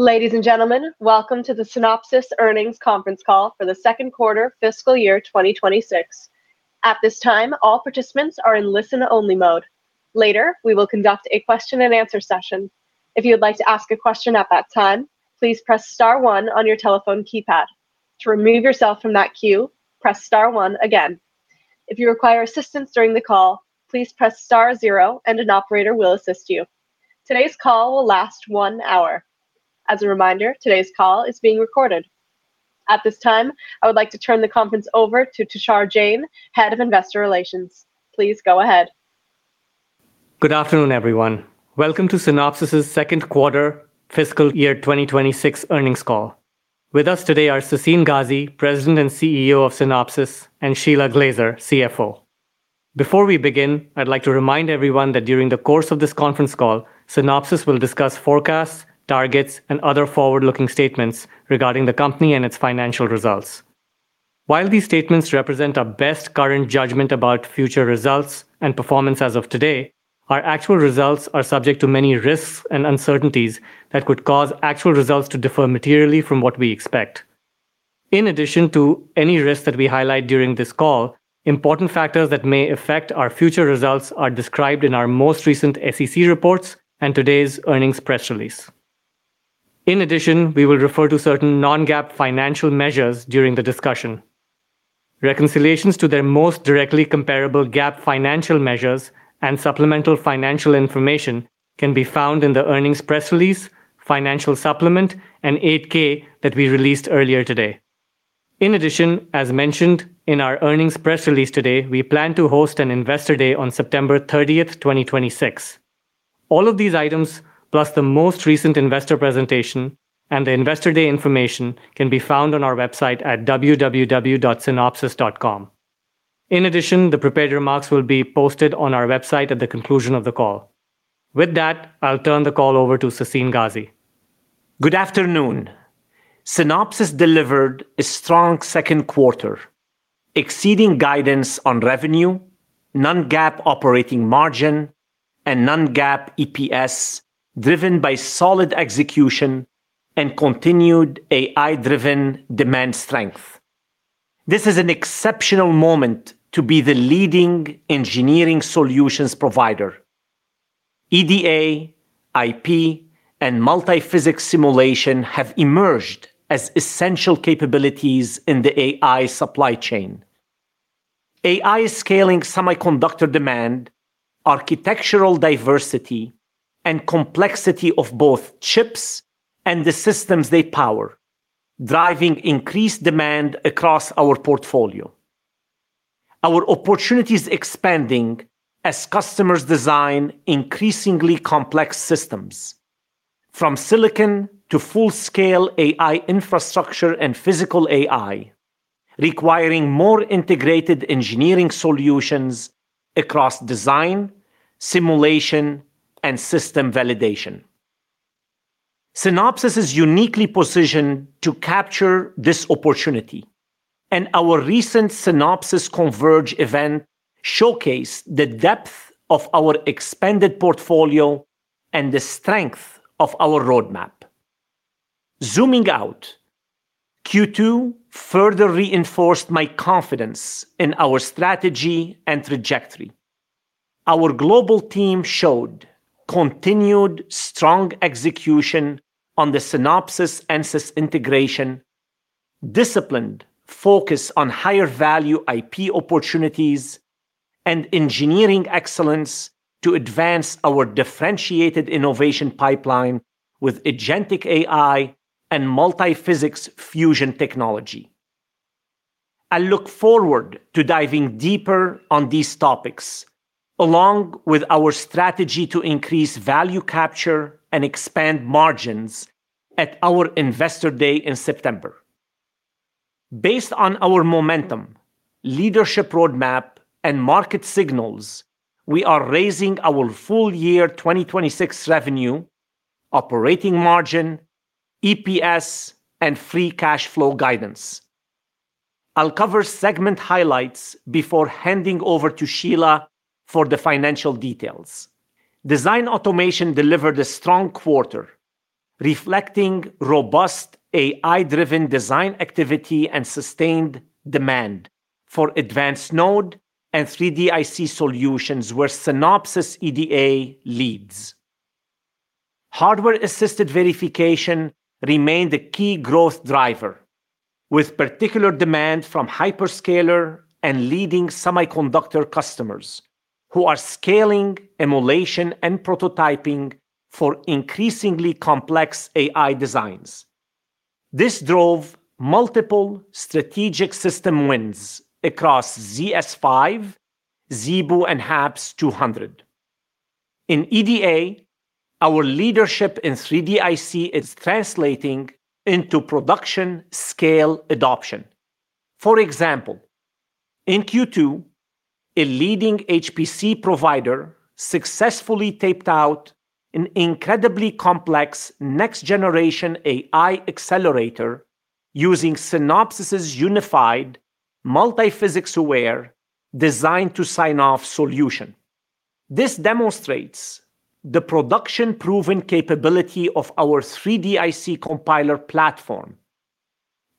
Ladies and gentlemen, welcome to the Synopsys earnings conference call for the second quarter fiscal year 2026. At this time, all participants are in listen-only mode. Later, we will conduct a question and answer session. If you would like to ask a question at that time, please press star one on your telephone keypad. To remove yourself from that queue, press star one again. If you require assistance during the call, please press star zero and an operator will assist you. Today's call will last one hour. As a reminder, today's call is being recorded. At this time, I would like to turn the conference over to Tushar Jain, Head of Investor Relations. Please go ahead. Good afternoon, everyone. Welcome to Synopsys' second quarter fiscal year 2026 earnings call. With us today are Sassine Ghazi, President and CEO of Synopsys, and Shelagh Glaser, CFO. Before we begin, I'd like to remind everyone that during the course of this conference call, Synopsys will discuss forecasts, targets, and other forward-looking statements regarding the company and its financial results. While these statements represent our best current judgment about future results and performance as of today, our actual results are subject to many risks and uncertainties that could cause actual results to differ materially from what we expect. In addition to any risks that we highlight during this call, important factors that may affect our future results are described in our most recent SEC reports and today's earnings press release. In addition, we will refer to certain non-GAAP financial measures during the discussion. Reconciliations to their most directly comparable GAAP financial measures and supplemental financial information can be found in the earnings press release, financial supplement, and 8-K that we released earlier today. In addition, as mentioned in our earnings press release today, we plan to host an investor day on September 30th, 2026. All of these items, plus the most recent investor presentation and the investor day information can be found on our website at www.synopsys.com. In addition, the prepared remarks will be posted on our website at the conclusion of the call. With that, I'll turn the call over to Sassine Ghazi. Good afternoon. Synopsys delivered a strong second quarter, exceeding guidance on revenue, non-GAAP operating margin, and non-GAAP EPS, driven by solid execution and continued AI-driven demand strength. This is an exceptional moment to be the leading engineering solutions provider. EDA, IP, and multiphysics simulation have emerged as essential capabilities in the AI supply chain. AI is scaling semiconductor demand, architectural diversity, and complexity of both chips and the systems they power, driving increased demand across our portfolio. Our opportunity is expanding as customers design increasingly complex systems, from silicon to full-scale AI infrastructure and physical AI, requiring more integrated engineering solutions across design, simulation, and system validation. Synopsys is uniquely positioned to capture this opportunity, and our recent Synopsys Converge event showcased the depth of our expanded portfolio and the strength of our roadmap. Zooming out, Q2 further reinforced my confidence in our strategy and trajectory. Our global team showed continued strong execution on the Synopsys-Ansys integration, disciplined focus on higher-value IP opportunities, and engineering excellence to advance our differentiated innovation pipeline with agentic AI and Multiphysics Fusion technology. I look forward to diving deeper on these topics, along with our strategy to increase value capture and expand margins at our investor day in September. Based on our momentum, leadership roadmap, and market signals, we are raising our full year 2026 revenue, operating margin, EPS, and free cash flow guidance. I'll cover segment highlights before handing over to Shelagh for the financial details. Design automation delivered a strong quarter, reflecting robust AI-driven design activity and sustained demand for advanced node and 3D IC solutions where Synopsys EDA leads. Hardware-assisted verification remained a key growth driver, with particular demand from hyperscaler and leading semiconductor customers who are scaling emulation and prototyping for increasingly complex AI designs. This drove multiple strategic system wins across ZS5, ZeBu-200, and HAPS-200. In EDA, our leadership in 3D IC is translating into production scale adoption. For example, in Q2, a leading HPC provider successfully taped out an incredibly complex next-generation AI accelerator using Synopsys' unified multiphysics aware Design to Sign-Off solution. This demonstrates the production-proven capability of our 3DIC Compiler platform,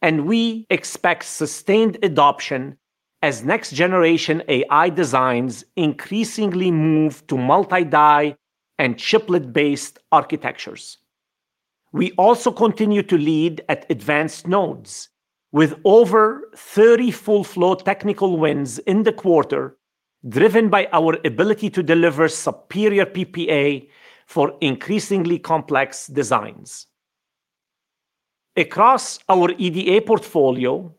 and we expect sustained adoption as next-generation AI designs increasingly move to multi-die and chiplet-based architectures. We also continue to lead at advanced nodes with over 30 full flow technical wins in the quarter, driven by our ability to deliver superior PPA for increasingly complex designs. Across our EDA portfolio,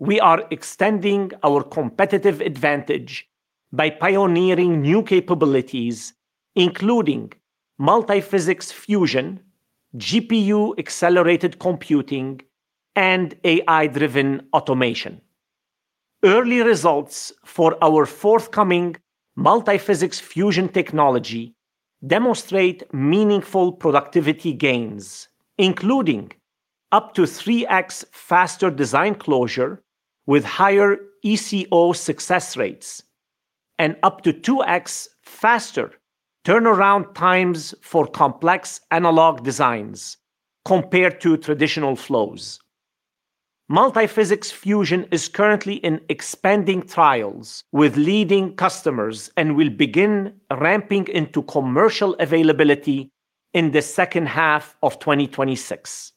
we are extending our competitive advantage by pioneering new capabilities, including Multiphysics Fusion, GPU-accelerated computing, and AI-driven automation. Early results for our forthcoming Multiphysics Fusion technology demonstrate meaningful productivity gains, including up to 3x faster design closure with higher ECO success rates and up to 2x faster turnaround times for complex analog designs compared to traditional flows. Multiphysics Fusion is currently in expanding trials with leading customers and will begin ramping into commercial availability in the second half of 2026.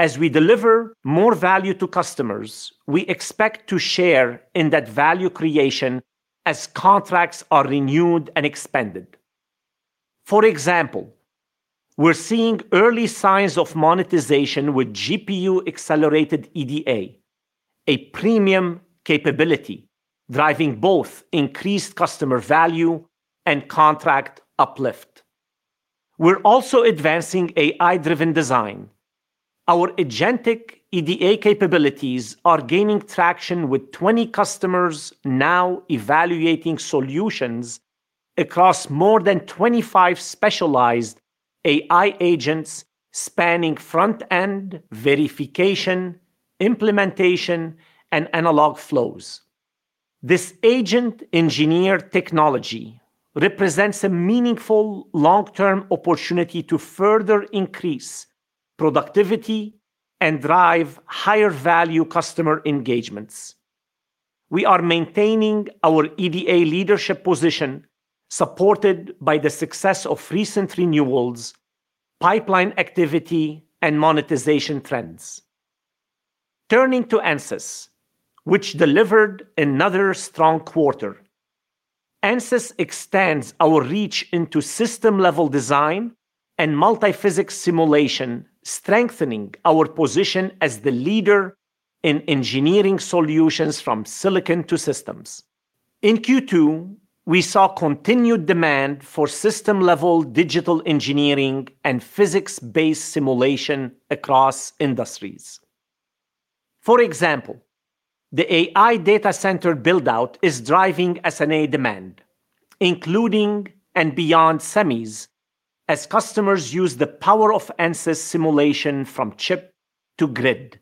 As we deliver more value to customers, we expect to share in that value creation as contracts are renewed and expanded. For example, we're seeing early signs of monetization with GPU-accelerated EDA, a premium capability driving both increased customer value and contract uplift. We're also advancing AI-driven design. Our agentic EDA capabilities are gaining traction, with 20 customers now evaluating solutions across more than 25 specialized AI agents spanning front-end verification, implementation, and analog flows. This agent engineer technology represents a meaningful long-term opportunity to further increase productivity and drive higher-value customer engagements. We are maintaining our EDA leadership position, supported by the success of recent renewals, pipeline activity, and monetization trends. Turning to Ansys, which delivered another strong quarter. Ansys extends our reach into system-level design and multiphysics simulation, strengthening our position as the leader in engineering solutions from silicon to systems. In Q2, we saw continued demand for system-level digital engineering and physics-based simulation across industries. For example, the AI data center build-out is driving S&A demand, including and beyond semis, as customers use the power of Ansys simulation from chip to grid.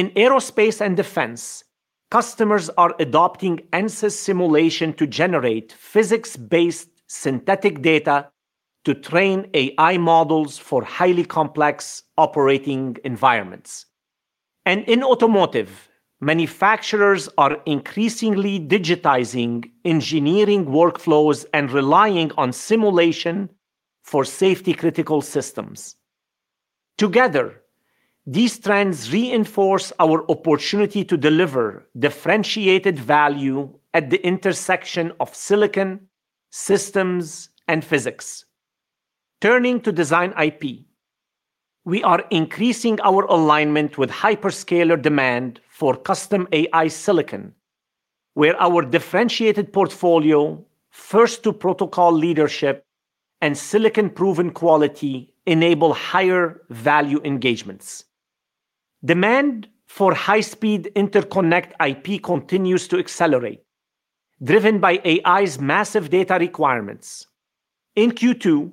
In aerospace and defense, customers are adopting Ansys simulation to generate physics-based synthetic data to train AI models for highly complex operating environments. In automotive, manufacturers are increasingly digitizing engineering workflows and relying on simulation for safety-critical systems. Together, these trends reinforce our opportunity to deliver differentiated value at the intersection of silicon, systems, and physics. Turning to Design IP. We are increasing our alignment with hyperscaler demand for custom AI silicon, where our differentiated portfolio, first-to-protocol leadership, and silicon-proven quality enable higher-value engagements. Demand for high-speed interconnect IP continues to accelerate, driven by AI's massive data requirements. In Q2,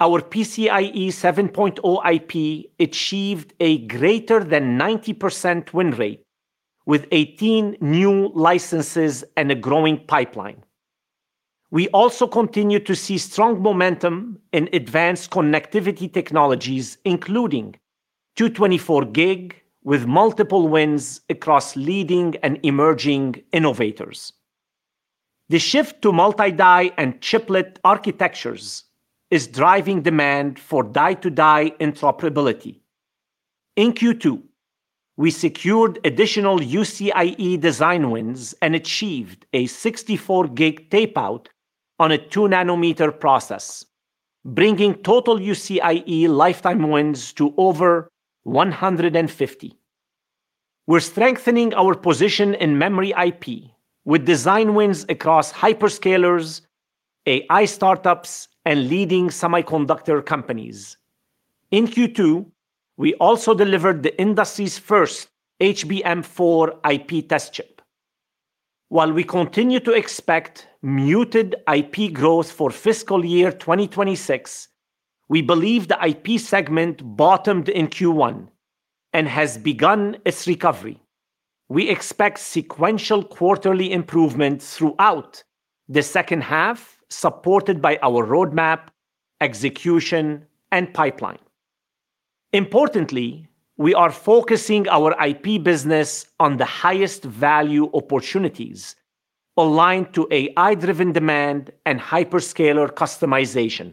our PCIe 7.0 IP achieved a greater than 90% win rate with 18 new licenses and a growing pipeline. We also continue to see strong momentum in advanced connectivity technologies, including 224G with multiple wins across leading and emerging innovators. The shift to multi-die and chiplet architectures is driving demand for die-to-die interoperability. In Q2, we secured additional UCIe design wins and achieved a 64G tape out on a 2-nm process, bringing total UCIe lifetime wins to over 150. We're strengthening our position in memory IP with design wins across hyperscalers, AI startups, and leading semiconductor companies. In Q2, we also delivered the industry's first HBM4 IP test chip. While we continue to expect muted IP growth for fiscal year 2026, we believe the IP segment bottomed in Q1 and has begun its recovery. We expect sequential quarterly improvements throughout the second half, supported by our roadmap, execution, and pipeline. Importantly, we are focusing our IP business on the highest value opportunities aligned to AI-driven demand and hyperscaler customization.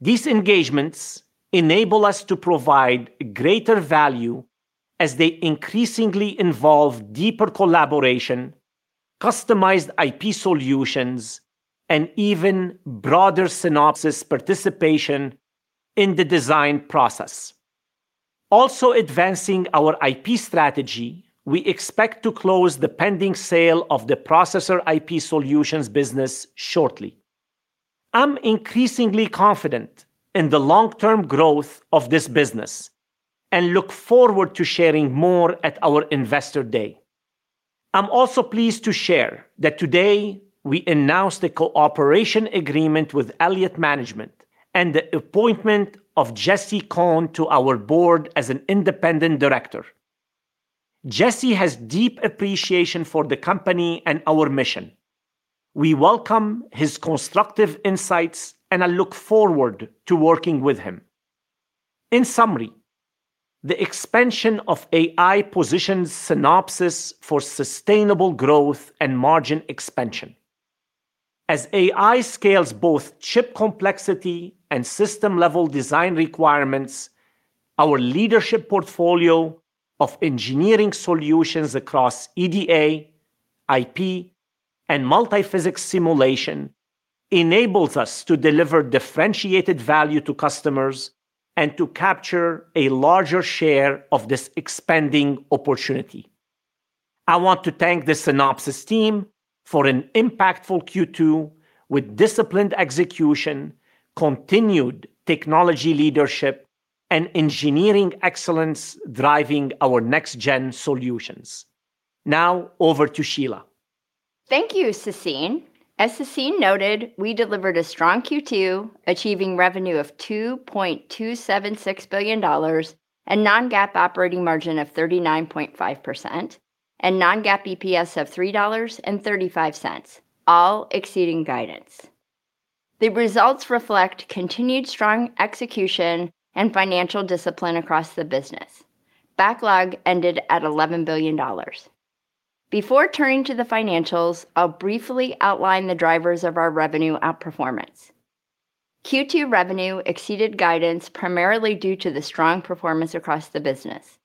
These engagements enable us to provide greater value as they increasingly involve deeper collaboration, customized IP solutions, and even broader Synopsys participation in the design process. Also advancing our IP strategy, we expect to close the pending sale of the processor IP solutions business shortly. I'm increasingly confident in the long-term growth of this business and look forward to sharing more at our investor day. I'm also pleased to share that today we announced a cooperation agreement with Elliott Management and the appointment of Jesse Cohn to our board as an independent director. Jesse has deep appreciation for the company and our mission. We welcome his constructive insights and I look forward to working with him. In summary, the expansion of AI positions Synopsys for sustainable growth and margin expansion. As AI scales both chip complexity and system-level design requirements, our leadership portfolio of engineering solutions across EDA, IP, and multiphysics simulation enables us to deliver differentiated value to customers and to capture a larger share of this expanding opportunity. I want to thank the Synopsys team for an impactful Q2 with disciplined execution, continued technology leadership, and engineering excellence driving our next gen solutions. Now over to Shelagh. Thank you, Sassine. As Sassine noted, we delivered a strong Q2, achieving revenue of $2.276 billion, a non-GAAP operating margin of 39.5%, and non-GAAP EPS of $3.35, all exceeding guidance. The results reflect continued strong execution and financial discipline across the business. Backlog ended at $11 billion. Before turning to the financials, I'll briefly outline the drivers of our revenue outperformance. Q2 revenue exceeded guidance primarily due to the strong performance across the business.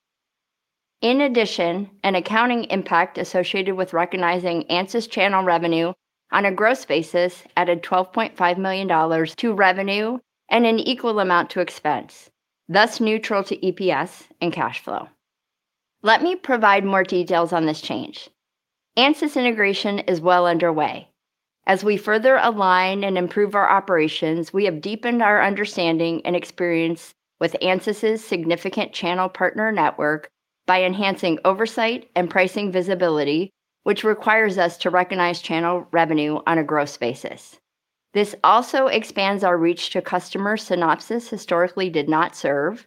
In addition, an accounting impact associated with recognizing Ansys channel revenue on a gross basis added $12.5 million to revenue and an equal amount to expense, thus neutral to EPS and cash flow. Let me provide more details on this change. Ansys integration is well underway. As we further align and improve our operations, we have deepened our understanding and experience with Ansys' significant channel partner network by enhancing oversight and pricing visibility, which requires us to recognize channel revenue on a gross basis. This also expands our reach to customers Synopsys historically did not serve,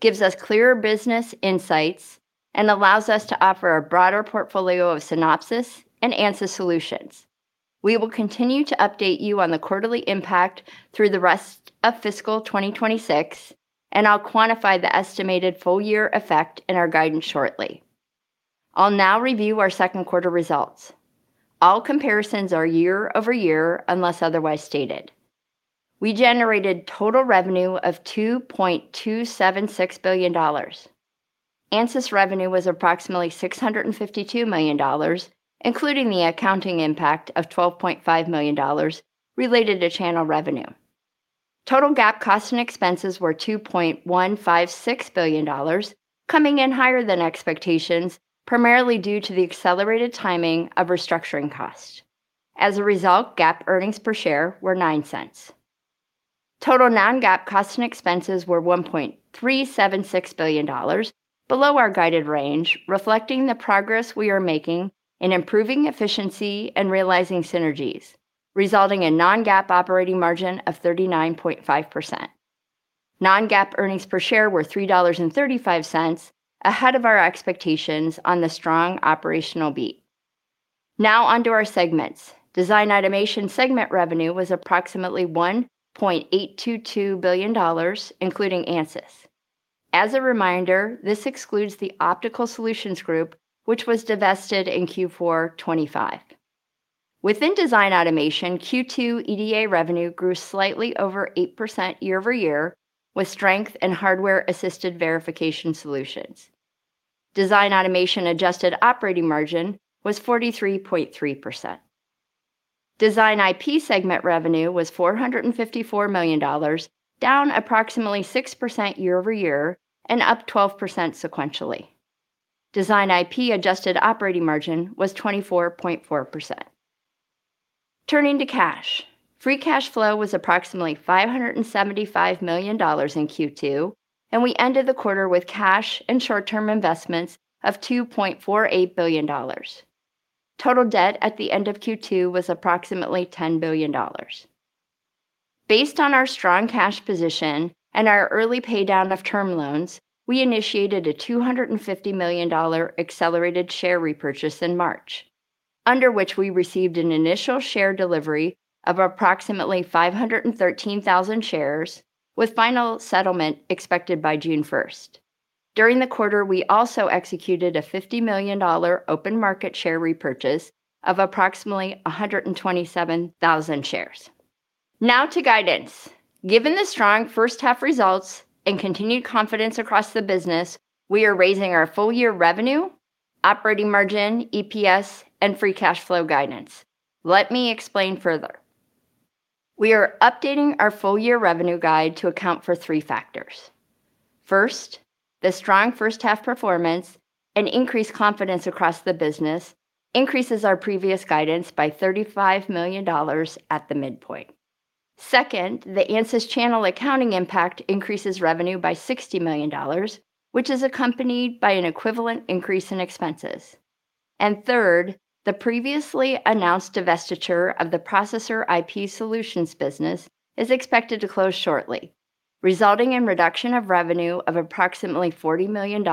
gives us clearer business insights, and allows us to offer a broader portfolio of Synopsys and Ansys solutions. We will continue to update you on the quarterly impact through the rest of fiscal 2026, and I'll quantify the estimated full year effect in our guidance shortly. I'll now review our second quarter results. All comparisons are year-over-year, unless otherwise stated. We generated total revenue of $2.276 billion. Ansys revenue was approximately $652 million, including the accounting impact of $12.5 million related to channel revenue. Total GAAP costs and expenses were $2.156 billion, coming in higher than expectations, primarily due to the accelerated timing of restructuring costs. As a result, GAAP earnings per share were $0.09. Total non-GAAP costs and expenses were $1.376 billion, below our guided range, reflecting the progress we are making in improving efficiency and realizing synergies, resulting in non-GAAP operating margin of 39.5%. Non-GAAP earnings per share were $3.35, ahead of our expectations on the strong operational beat. Now on to our segments. Design Automation segment revenue was approximately $1.822 billion, including Ansys. As a reminder, this excludes the Optical Solutions Group, which was divested in Q4 2025. Within Design Automation, Q2 EDA revenue grew slightly over 8% year-over-year, with strength in hardware-assisted verification solutions. Design Automation adjusted operating margin was 43.3%. Design IP segment revenue was $454 million, down approximately 6% year-over-year and up 12% sequentially. Design IP adjusted operating margin was 24.4%. Turning to cash. Free cash flow was approximately $575 million in Q2, we ended the quarter with cash and short-term investments of $2.48 billion. Total debt at the end of Q2 was approximately $10 billion. Based on our strong cash position and our early pay-down of term loans, we initiated a $250 million accelerated share repurchase in March, under which we received an initial share delivery of approximately 513,000 shares with final settlement expected by June 1st. During the quarter, we also executed a $50 million open market share repurchase of approximately 127,000 shares. Now to guidance. Given the strong first half results and continued confidence across the business, we are raising our full year revenue, operating margin, EPS, and free cash flow guidance. Let me explain further. We are updating our full year revenue guide to account for three factors. First, the strong first half performance and increased confidence across the business increases our previous guidance by $35 million at the midpoint. Second, the Ansys channel accounting impact increases revenue by $60 million, which is accompanied by an equivalent increase in expenses. Third, the previously announced divestiture of the processor IP solutions business is expected to close shortly, resulting in reduction of revenue of approximately $40 million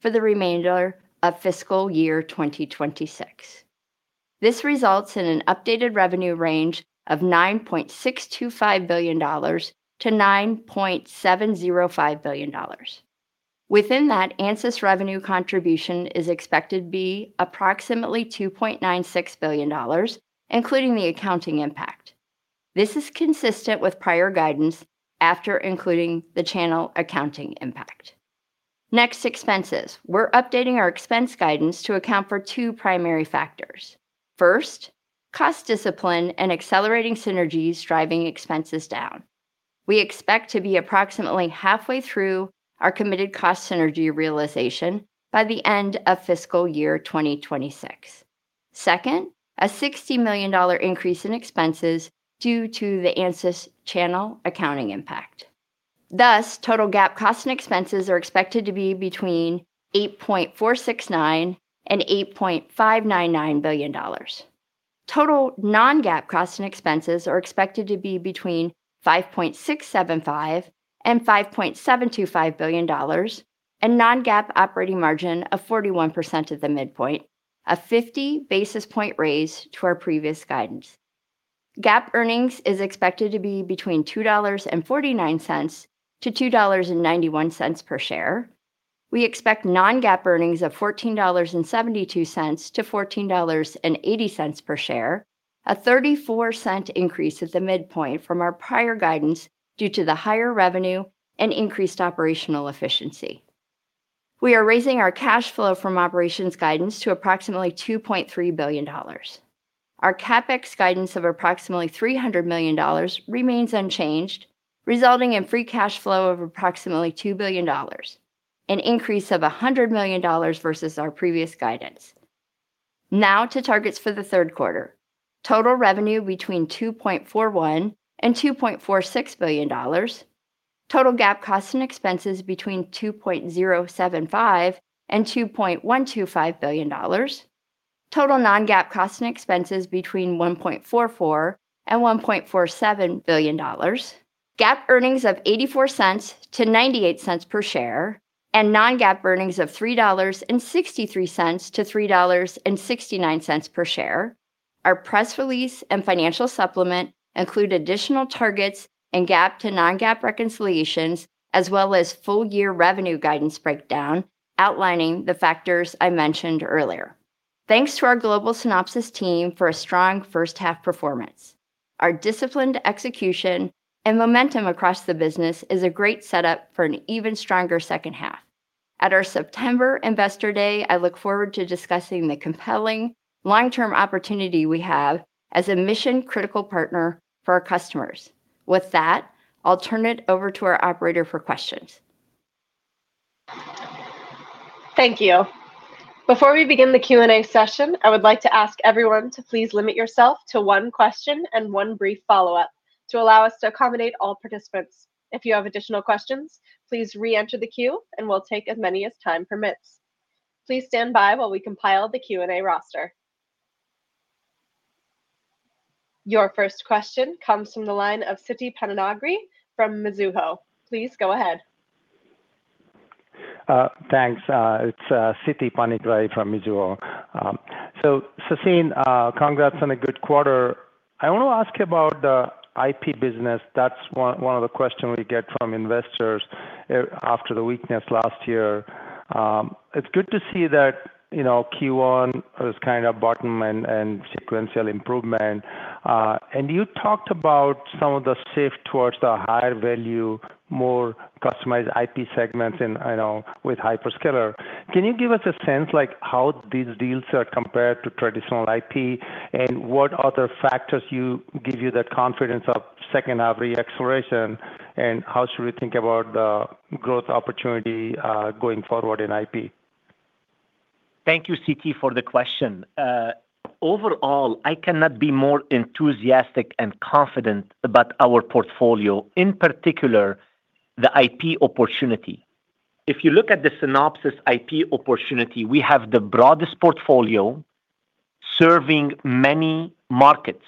for the remainder of fiscal year 2026. This results in an updated revenue range of $9.625 billion-$9.705 billion. Within that, Ansys revenue contribution is expected to be approximately $2.96 billion, including the accounting impact. This is consistent with prior guidance after including the channel accounting impact. Next, expenses. We're updating our expense guidance to account for two primary factors. First, cost discipline and accelerating synergies driving expenses down. We expect to be approximately halfway through our committed cost synergy realization by the end of fiscal year 2026. Second, a $60 million increase in expenses due to the Ansys channel accounting impact. Thus, total GAAP cost and expenses are expected to be between $8.469 billion and $8.599 billion. Total non-GAAP cost and expenses are expected to be between $5.675 billion and $5.725 billion, and non-GAAP operating margin of 41% at the midpoint, a 50 basis point raise to our previous guidance. GAAP earnings is expected to be between $2.49-$2.91 per share. We expect non-GAAP earnings of $14.72-$14.80 per share, a $0.34 increase at the midpoint from our prior guidance due to the higher revenue and increased operational efficiency. We are raising our cash flow from operations guidance to approximately $2.3 billion. Our CapEx guidance of approximately $300 million remains unchanged, resulting in free cash flow of approximately $2 billion, an increase of $100 million versus our previous guidance. Now to targets for the third quarter. Total revenue between $2.41 billion and $2.46 billion. Total GAAP cost and expenses between $2.075 billion and $2.125 billion. Total non-GAAP cost and expenses between $1.44 billion and $1.47 billion. GAAP earnings of $0.84-$0.98 per share, and non-GAAP earnings of $3.63-$3.69 per share. Our press release and financial supplement include additional targets and GAAP to non-GAAP reconciliations, as well as full year revenue guidance breakdown outlining the factors I mentioned earlier. Thanks to our global Synopsys team for a strong first half performance. Our disciplined execution and momentum across the business is a great setup for an even stronger second half. At our September investor day, I look forward to discussing the compelling long-term opportunity we have as a mission-critical partner for our customers. With that, I'll turn it over to our operator for questions. Thank you. Before we begin the Q&A session, I would like to ask everyone to please limit yourself to one question and one brief follow-up to allow us to accommodate all participants. If you have additional questions, please re-enter the queue and we will take as many as time permits. Please stand by while we compile the Q&A roster. Your first question comes from the line of Siti Panigrahi from Mizuho. Please go ahead. Thanks. It's Siti Panigrahi from Mizuho. Sassine, congrats on a good quarter. I want to ask you about the IP business. That's one of the questions we get from investors after the weakness last year. It's good to see that Q1 was kind of bottom and sequential improvement. You talked about some of the shift towards the higher value, more customized IP segments and with hyperscaler. Can you give us a sense how these deals are compared to traditional IP, and what other factors give you that confidence of second half re-acceleration, and how should we think about the growth opportunity going forward in IP? Thank you, Siti, for the question. Overall, I cannot be more enthusiastic and confident about our portfolio, in particular, the IP opportunity. If you look at the Synopsys IP opportunity, we have the broadest portfolio Serving many markets,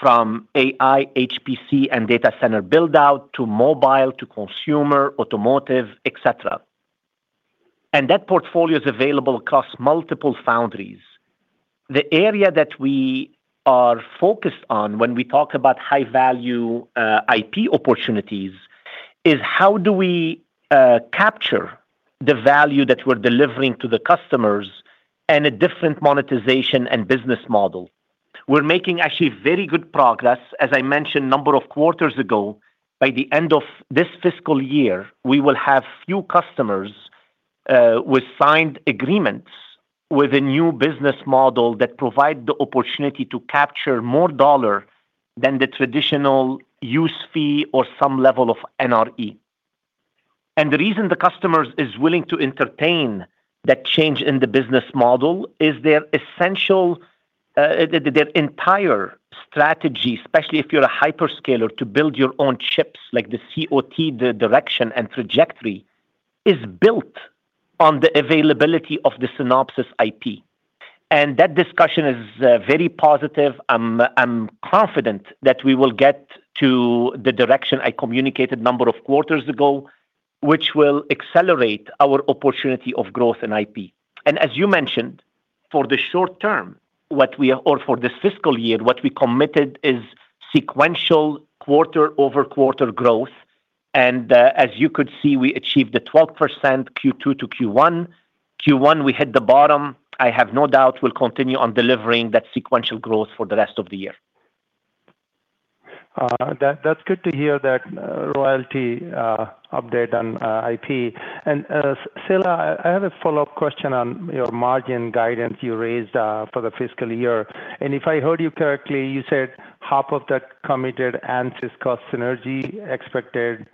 from AI, HPC, and data center build-out, to mobile, to consumer, automotive, et cetera. That portfolio is available across multiple foundries. The area that we are focused on when we talk about high-value IP opportunities is how do we capture the value that we're delivering to the customers and a different monetization and business model. We're making actually very good progress. As I mentioned a number of quarters ago, by the end of this fiscal year, we will have few customers with signed agreements with a new business model that provide the opportunity to capture more dollar than the traditional use fee or some level of NRE. The reason the customers is willing to entertain that change in the business model is their entire strategy, especially if you're a hyperscaler, to build your own chips, like the COT, the direction and trajectory, is built on the availability of the Synopsys IP. That discussion is very positive. I'm confident that we will get to the direction I communicated a number of quarters ago, which will accelerate our opportunity of growth in IP. As you mentioned, for the short term, or for this fiscal year, what we committed is sequential quarter-over-quarter growth. As you could see, we achieved the 12% Q2 to Q1. Q1, we hit the bottom. I have no doubt we'll continue on delivering that sequential growth for the rest of the year. That's good to hear that royalty update on IP. Shelagh, I have a follow-up question on your margin guidance you raised for the fiscal year. If I heard you correctly, you said half of that committed Ansys cost synergy expected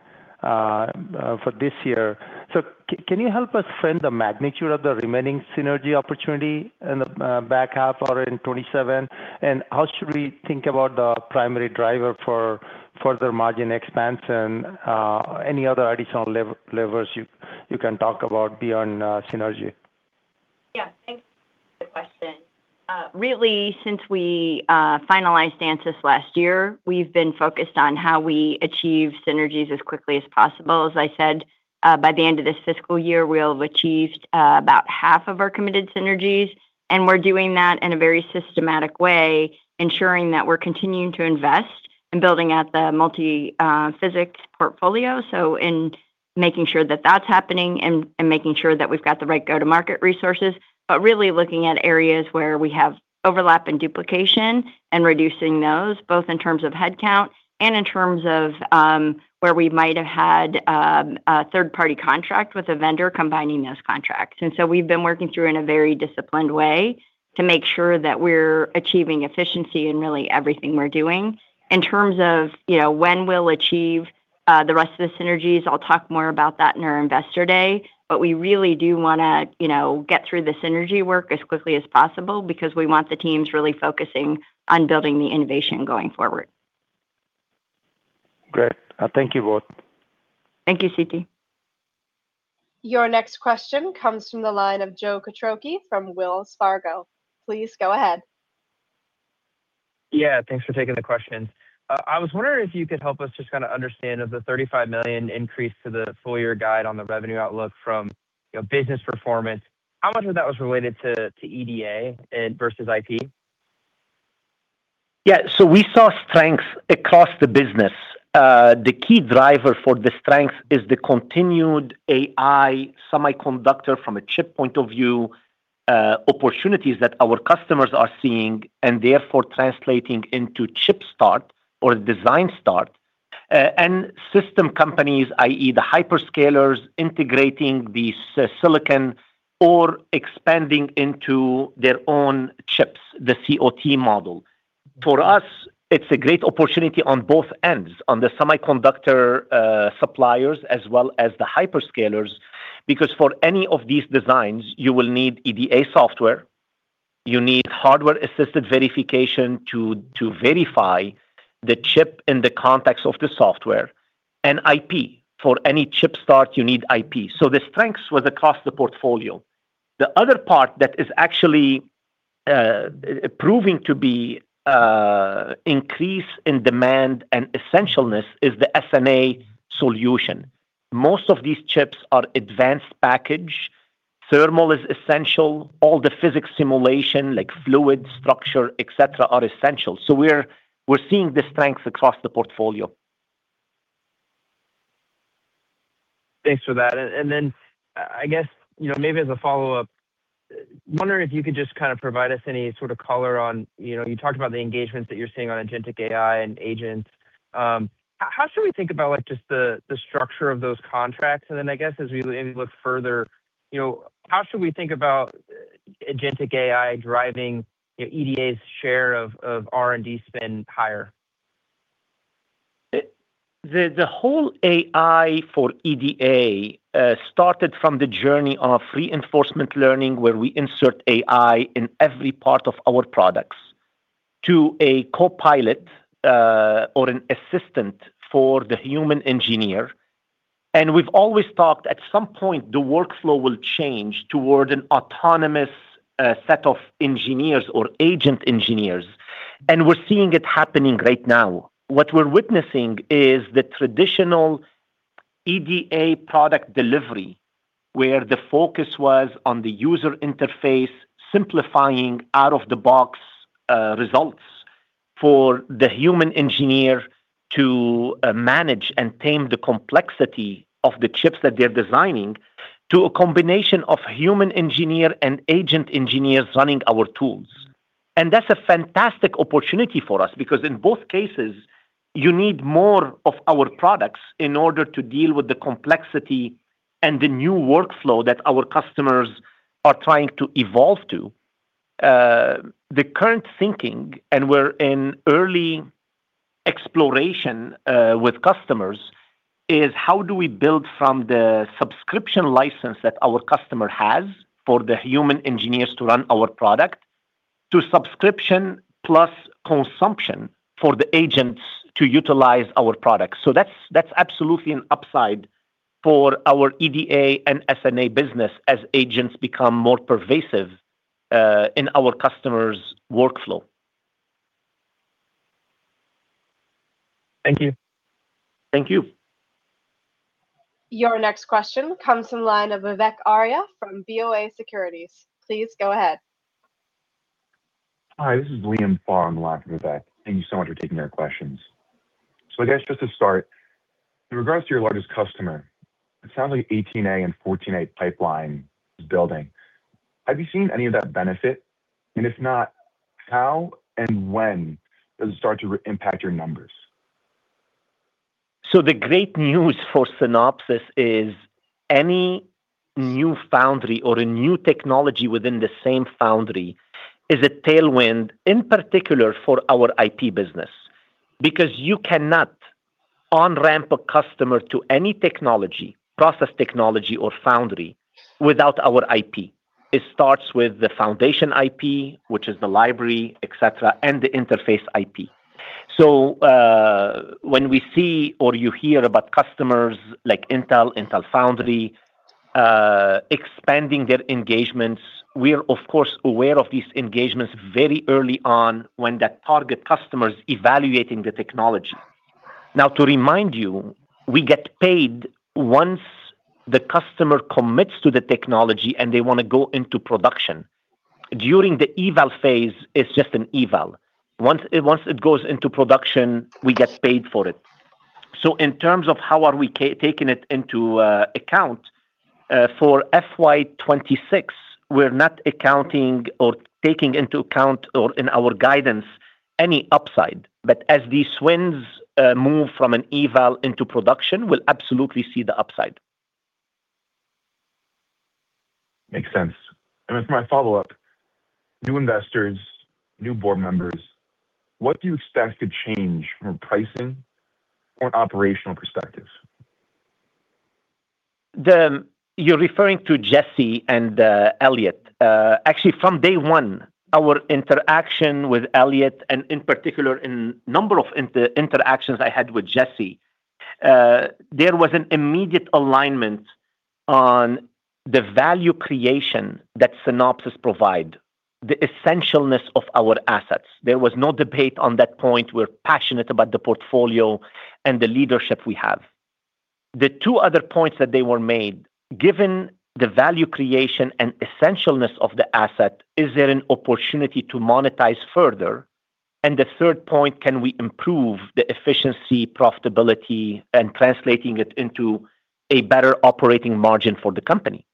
for this year. Can you help us frame the magnitude of the remaining synergy opportunity in the back half or in 2027? How should we think about the primary driver for further margin expansion? Any other additional levers you can talk about beyond synergy? Yeah. Thanks for the question. Really, since we finalized Ansys last year, we've been focused on how we achieve synergies as quickly as possible. As I said, by the end of this fiscal year, we'll have achieved about half of our committed synergies. We're doing that in a very systematic way, ensuring that we're continuing to invest in building out the Multiphysics portfolio. In making sure that that's happening and making sure that we've got the right go-to market resources, but really looking at areas where we have overlap and duplication, and reducing those, both in terms of headcount and in terms of where we might have had a third-party contract with a vendor, combining those contracts. We've been working through in a very disciplined way to make sure that we're achieving efficiency in really everything we're doing. In terms of when we'll achieve the rest of the synergies, I'll talk more about that in our Investor Day. We really do want to get through the synergy work as quickly as possible because we want the teams really focusing on building the innovation going forward. Great. Thank you both. Thank you, Siti. Your next question comes from the line of Joe Quatrochi from Wells Fargo. Please go ahead. Yeah. Thanks for taking the question. I was wondering if you could help us just understand the $35 million increase to the full-year guide on the revenue outlook from business performance. How much of that was related to EDA versus IP? We saw strength across the business. The key driver for the strength is the continued AI semiconductor, from a chip point of view, opportunities that our customers are seeing, and therefore translating into chip start or design start. System companies, i.e., the hyperscalers integrating the silicon or expanding into their own chips, the COT model. For us, it's a great opportunity on both ends, on the semiconductor suppliers as well as the hyperscalers, because for any of these designs, you will need EDA software. You need hardware-assisted verification to verify the chip in the context of the software, and IP. For any chip start, you need IP. The strengths were across the portfolio. The other part that is actually proving to be increase in demand and essentialness is the S&A solution. Most of these chips are advanced package. Thermal is essential. All the physics simulation, like fluid structure, et cetera, are essential. We're seeing the strength across the portfolio. Thanks for that. I guess, maybe as a follow-up, wondering if you could just provide us any sort of color on, you talked about the engagements that you're seeing on agentic AI and agents. How should we think about just the structure of those contracts? I guess as we maybe look further, how should we think about agentic AI driving EDA's share of R&D spend higher? The whole AI for EDA started from the journey of reinforcement learning, where we insert AI in every part of our products to a co-pilot or an assistant for the human engineer. We've always thought at some point the workflow will change toward an autonomous set of engineers or agent engineers, and we're seeing it happening right now. What we're witnessing is the traditional EDA product delivery, where the focus was on the user interface, simplifying out-of-the-box results for the human engineer to manage and tame the complexity of the chips that they're designing, to a combination of human engineer and agent engineers running our tools. That's a fantastic opportunity for us because in both cases, you need more of our products in order to deal with the complexity and the new workflow that our customers are trying to evolve to. The current thinking, and we're in early exploration with customers, is how do we build from the subscription license that our customer has for the human engineers to run our product, to subscription plus consumption for the agents to utilize our product. That's absolutely an upside for our EDA and S&A business as agents become more pervasive in our customers' workflow. Thank you. Thank you. Your next question comes from the line of Vivek Arya from BofA Securities. Please go ahead. Hi, this is Liam Pharr on the line for Vivek. Thank you so much for taking our questions. I guess just to start, in regards to your largest customer, it sounds like 18A and 14A pipeline is building. Have you seen any of that benefit? If not, how and when does it start to impact your numbers? The great news for Synopsys is any new foundry or a new technology within the same foundry is a tailwind, in particular for our IP business because you cannot on-ramp a customer to any technology, process technology or foundry without our IP. It starts with the foundation IP, which is the library, et cetera, and the interface IP. When we see or you hear about customers like Intel Foundry, expanding their engagements, we are, of course, aware of these engagements very early on when that target customer's evaluating the technology. To remind you, we get paid once the customer commits to the technology, and they want to go into production. During the eval phase, it's just an eval. Once it goes into production, we get paid for it. In terms of how are we taking it into account, for FY 2026, we're not accounting or taking into account or in our guidance any upside. As these wins move from an eval into production, we'll absolutely see the upside. Makes sense. For my follow-up, new investors, new board members, what do you expect to change from pricing or an operational perspective? You're referring to Jesse and Elliott. Actually, from day one, our interaction with Elliott and in particular in a number of interactions I had with Jesse, there was an immediate alignment on the value creation that Synopsys provide, the essentialness of our assets. There was no debate on that point. We're passionate about the portfolio and the leadership we have. The two other points that they were made, given the value creation and essentialness of the asset, is there an opportunity to monetize further? The third point, can we improve the efficiency, profitability and translating it into a better operating margin for the company?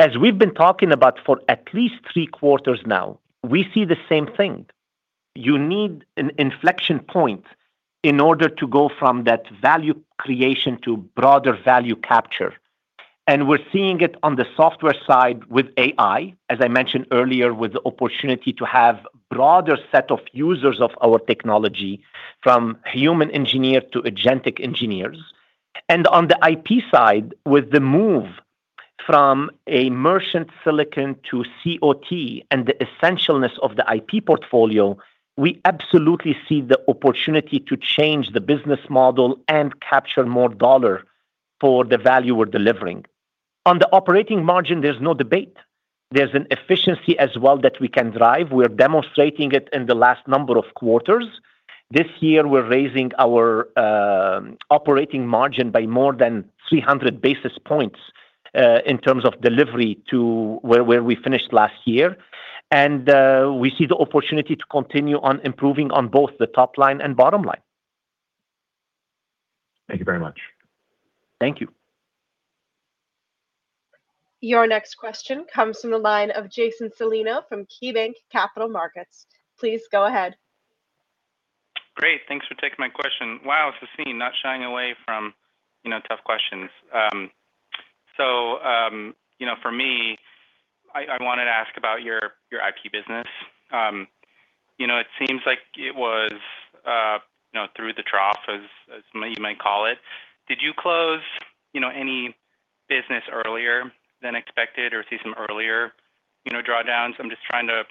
As we've been talking about for at least three quarters now, we see the same thing. You need an inflection point in order to go from that value creation to broader value capture. We're seeing it on the software side with AI, as I mentioned earlier, with the opportunity to have broader set of users of our technology from human engineer to agentic engineers. On the IP side, with the move from a merchant silicon to COT and the essentialness of the IP portfolio, we absolutely see the opportunity to change the business model and capture more dollar for the value we're delivering. On the operating margin, there's no debate. There's an efficiency as well that we can drive. We're demonstrating it in the last number of quarters. This year, we're raising our operating margin by more than 300 basis points, in terms of delivery to where we finished last year. We see the opportunity to continue on improving on both the top line and bottom line. Thank you very much. Thank you. Your next question comes from the line of Jason Celino from KeyBanc Capital Markets. Please go ahead. Great. Thanks for taking my question. Wow, Sassine, not shying away from tough questions. For me, I wanted to ask about your IP business. It seems like it was through the trough, as you might call it. Did you close any business earlier than expected or see some earlier drawdowns? I'm just trying to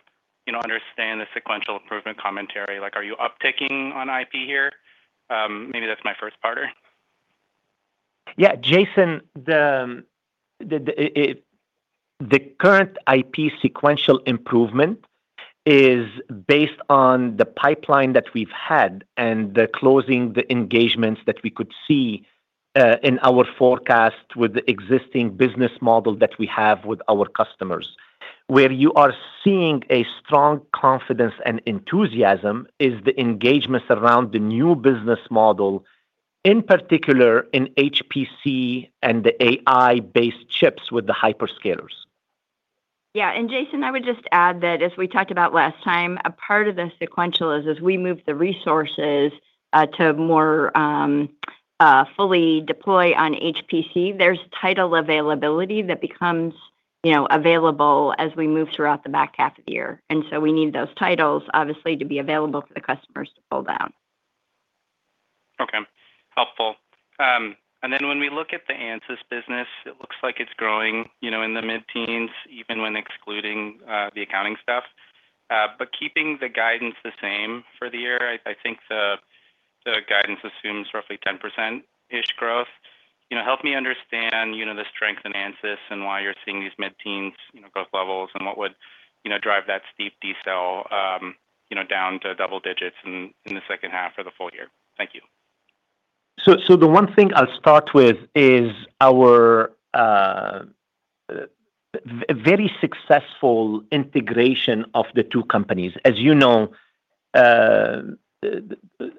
understand the sequential improvement commentary. Are you upticking on IP here? Maybe that's my first-parter. Yeah, Jason, the current IP sequential improvement is based on the pipeline that we've had and the closing the engagements that we could see in our forecast with the existing business model that we have with our customers. Where you are seeing a strong confidence and enthusiasm is the engagement around the new business model, in particular in HPC and the AI-based chips with the hyperscalers. Yeah. Jason, I would just add that as we talked about last time, a part of the sequential is as we move the resources to more fully deploy on HPC, there's title availability that becomes available as we move throughout the back half of the year. We need those titles, obviously, to be available for the customers to pull down. Okay. Helpful. When we look at the Ansys business, it looks like it's growing in the mid-teens, even when excluding the accounting stuff. Keeping the guidance the same for the year, I think the guidance assumes roughly 10%-ish growth. Help me understand the strength in Ansys and why you're seeing these mid-teens growth levels and what would drive that steep decel down to double digits in the second half or the full year. Thank you. The one thing I'll start with is our very successful integration of the two companies. As you know,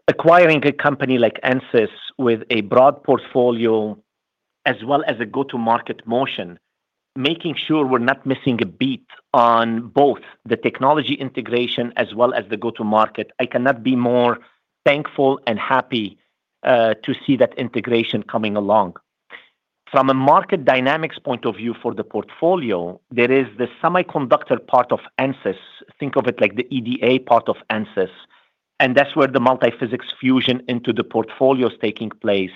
acquiring a company like Ansys with a broad portfolio as well as a go-to-market motion, making sure we're not missing a beat on both the technology integration as well as the go-to-market, I cannot be more thankful and happy to see that integration coming along. From a market dynamics point of view for the portfolio, there is the semiconductor part of Ansys, think of it like the EDA part of Ansys, and that's where the Multiphysics Fusion into the portfolio is taking place.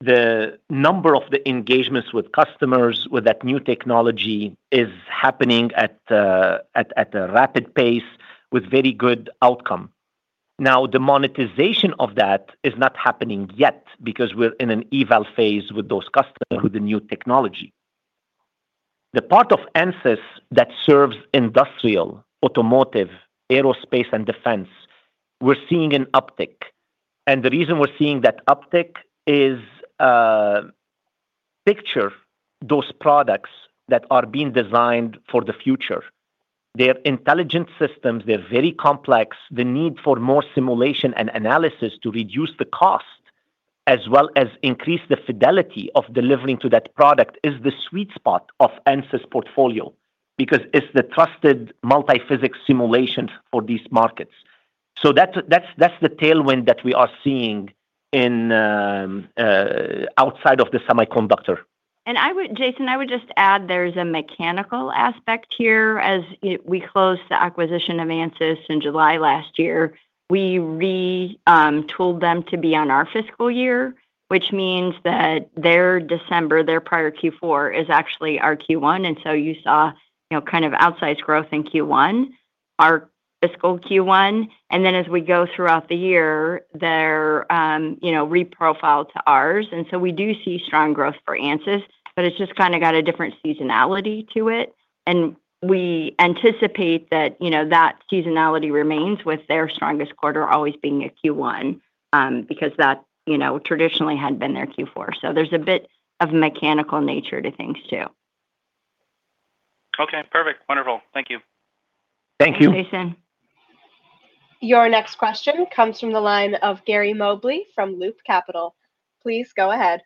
The number of the engagements with customers with that new technology is happening at a rapid pace with very good outcome. Now, the monetization of that is not happening yet because we're in an eval phase with those customers with the new technology. The part of Ansys that serves industrial, automotive, aerospace, and defense, we're seeing an uptick. The reason we're seeing that uptick is, picture those products that are being designed for the future. They're intelligent systems. They're very complex. The need for more simulation and analysis to reduce the cost as well as increase the fidelity of delivering to that product is the sweet spot of Ansys' portfolio because it's the trusted multiphysics simulation for these markets. That's the tailwind that we are seeing outside of the semiconductor. Jason, I would just add, there's a mechanical aspect here. As we closed the acquisition of Ansys in July last year, we retooled them to be on our fiscal year, which means that their December, their prior Q4, is actually our Q1, and so you saw outsized growth in Q1, our fiscal Q1. As we go throughout the year, they're re-profiled to ours. We do see strong growth for Ansys, but it's just got a different seasonality to it. We anticipate that that seasonality remains with their strongest quarter always being a Q1 because that traditionally had been their Q4. There's a bit of mechanical nature to things, too. Okay, perfect. Wonderful. Thank you. Thank you. Jason. Your next question comes from the line of Gary Mobley from Loop Capital. Please go ahead.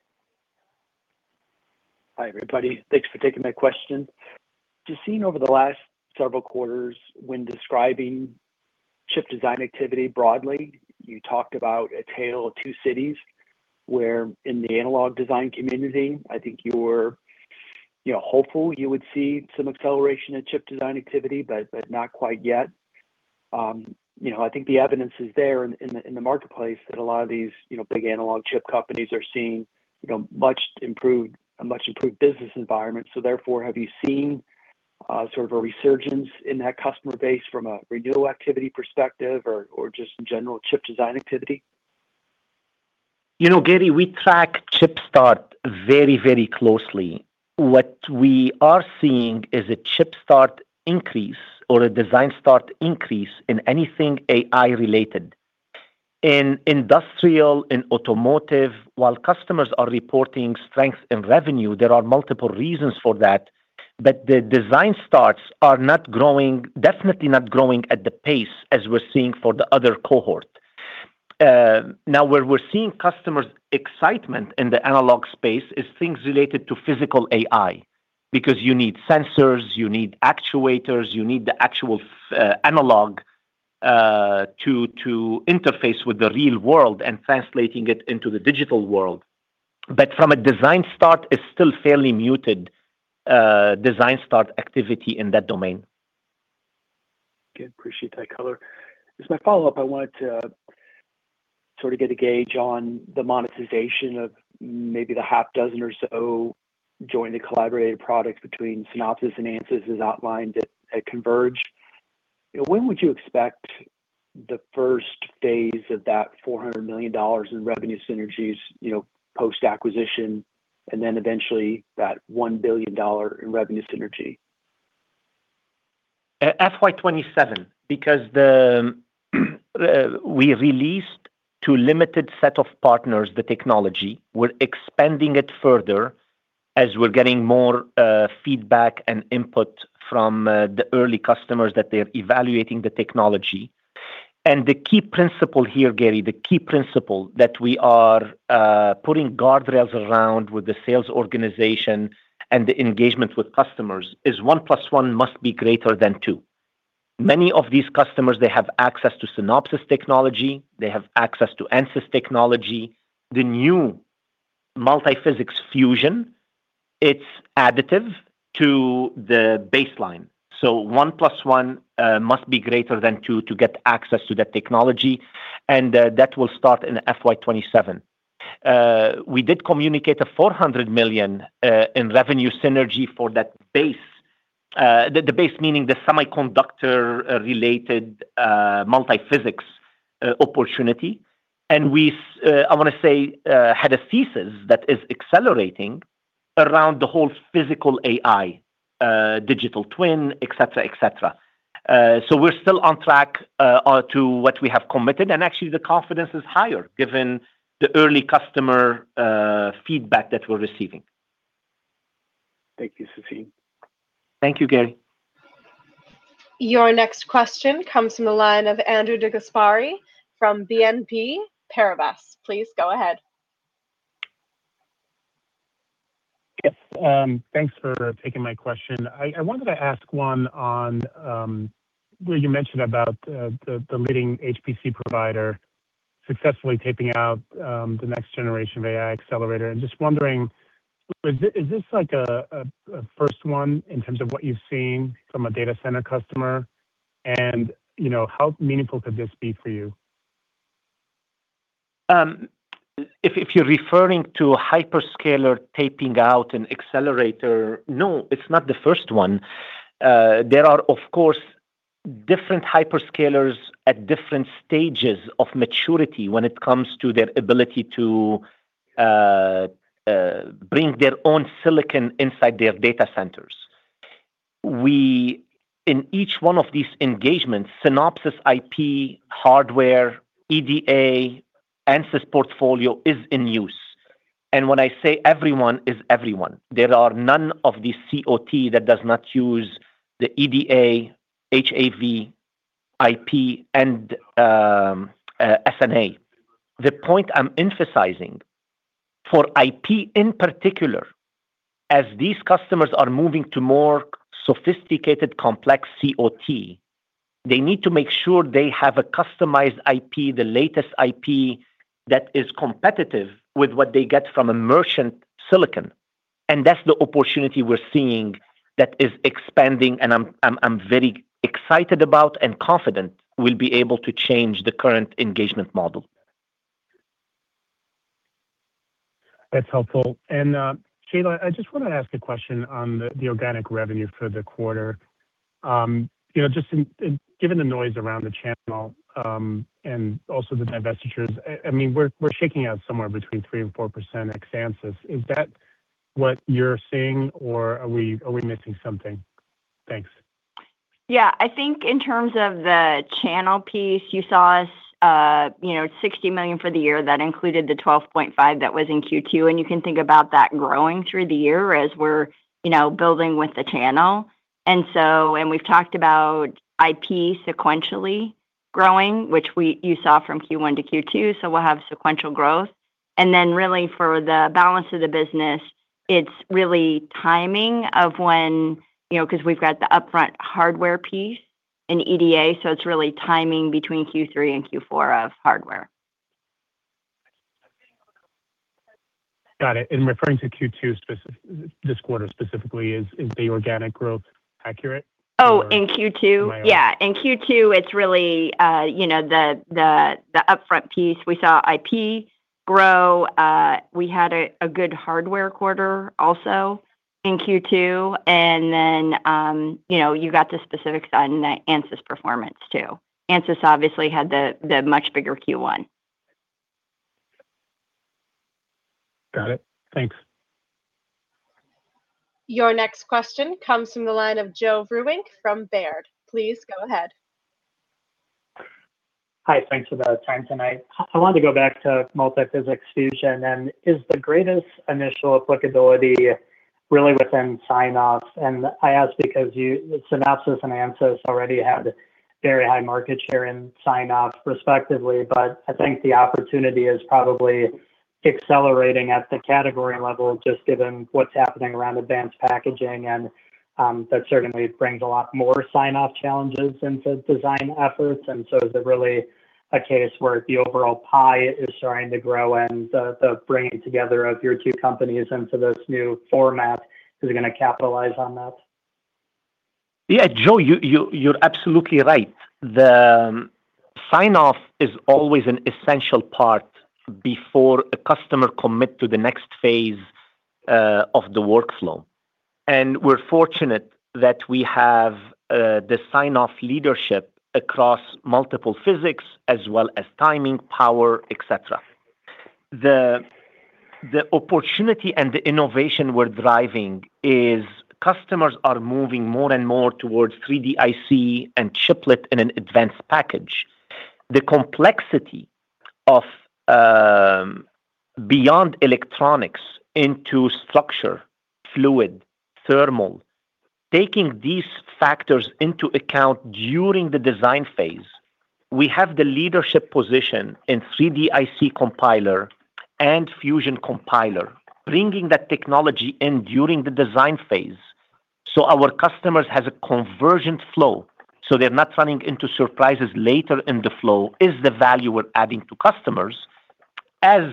Hi, everybody. Thanks for taking my question. Sassine over the last several quarters when describing chip design activity broadly, you talked about a tale of two cities, where in the analog design community, I think you were hopeful you would see some acceleration in chip design activity, but not quite yet. I think the evidence is there in the marketplace that a lot of these big analog chip companies are seeing a much improved business environment. Therefore, have you seen a resurgence in that customer base from a renewal activity perspective or just in general chip design activity? Gary, we track chip start very closely. What we are seeing is a chip start increase or a design start increase in anything AI related. In industrial, in automotive, while customers are reporting strength in revenue, there are multiple reasons for that, but the design starts are definitely not growing at the pace as we're seeing for the other cohort. Now, where we're seeing customers' excitement in the analog space is things related to physical AI, because you need sensors, you need actuators, you need the actual analog to interface with the real world and translating it into the digital world. From a design start, it's still fairly muted design start activity in that domain. Good. Appreciate that color. As my follow-up, I wanted to get a gauge on the monetization of maybe the half dozen or so joint and collaborated products between Synopsys and Ansys as outlined at Converge. When would you expect the first phase of that $400 million in revenue synergies, post-acquisition, and then eventually that $1 billion in revenue synergy? FY 2027, because we released to limited set of partners the technology. We're expanding it further as we're getting more feedback and input from the early customers that they're evaluating the technology. The key principle here, Gary, the key principle that we are putting guardrails around with the sales organization and the engagement with customers is one plus one must be greater than two. Many of these customers, they have access to Synopsys technology, they have access to Ansys technology. The new Multiphysics Fusion, it's additive to the baseline. One plus one must be greater than two to get access to that technology, and that will start in FY 2027. We did communicate a $400 million in revenue synergy for that base. The base meaning the semiconductor-related multiphysics opportunity. We, I want to say, had a thesis that is accelerating around the whole physical AI, digital twin, et cetera. We're still on track to what we have committed, and actually the confidence is higher given the early customer feedback that we're receiving. Thank you, Sassine. Thank you, Gary. Your next question comes from the line of Andrew DeGasperi from BNP Paribas. Please go ahead. Yes. Thanks for taking my question. I wanted to ask one on where you mentioned about the leading HPC provider successfully taping out the next generation of AI accelerator. Just wondering, is this like a first one in terms of what you've seen from a data center customer? How meaningful could this be for you? If you're referring to a hyperscaler taping out an accelerator, no, it's not the first one. There are, of course, different hyperscalers at different stages of maturity when it comes to their ability to bring their own silicon inside their data centers. In each one of these engagements, Synopsys IP, hardware, EDA, Ansys portfolio is in use. When I say everyone, is everyone. There are none of these COT that does not use the EDA, HAV, IP, and S&A. The point I'm emphasizing, for IP in particular, as these customers are moving to more sophisticated, complex COT, they need to make sure they have a customized IP, the latest IP, that is competitive with what they get from a merchant silicon. That's the opportunity we're seeing that is expanding, and I'm very excited about and confident we'll be able to change the current engagement model. That's helpful. Shelagh, I just want to ask a question on the organic revenue for the quarter. Just given the noise around the channel, and also the divestitures, we're shaking out somewhere between 3% and 4% ex Ansys. Is that what you're seeing, or are we missing something? Thanks. Yeah. I think in terms of the channel piece, you saw us, $60 million for the year. That included the $12.5 million that was in Q2, and you can think about that growing through the year as we're building with the channel. We've talked about IP sequentially growing, which you saw from Q1 to Q2, so we'll have sequential growth. Really for the balance of the business, it's really timing of when, because we've got the upfront hardware piece in EDA, so it's really timing between Q3 and Q4 of hardware. Got it. In referring to Q2 this quarter specifically, is the organic growth accurate? Oh, in Q2? Am I wrong? Yeah. In Q2, it's really the upfront piece. We saw IP grow. We had a good hardware quarter also in Q2, and then you got the specifics on Ansys performance, too. Ansys obviously had the much bigger Q1. Got it. Thanks. Your next question comes from the line of Joe Vruwink from Baird. Please go ahead. Hi. Thanks for the time tonight. I wanted to go back to Multiphysics Fusion. Is the greatest initial applicability really within sign-off? I ask because Synopsys and Ansys already have very high market share in sign-off respectively. I think the opportunity is probably accelerating at the category level, just given what's happening around advanced packaging. That certainly brings a lot more sign-off challenges into design efforts. Is it really a case where the overall pie is starting to grow and the bringing together of your two companies into this new format. Who are going to capitalize on that? Yeah, Joe, you're absolutely right. The sign-off is always an essential part before a customer commit to the next phase of the workflow. We're fortunate that we have the sign-off leadership across multiple physics as well as timing, power, et cetera. The opportunity and the innovation we're driving is customers are moving more and more towards 3D IC and chiplet in an advanced package. The complexity of beyond electronics into structure, fluid, thermal, taking these factors into account during the design phase. We have the leadership position in 3DIC Compiler and Fusion Compiler, bringing that technology in during the design phase so our customers has a convergent flow, so they're not running into surprises later in the flow, is the value we're adding to customers. As